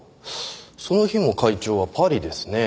その日も会長はパリですね。